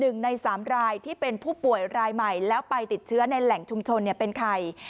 หนึ่งในสามรายที่เป็นผู้ป่วยรายใหม่แล้วไปติดเชื้อในแหล่งชุมชนเป็นใคร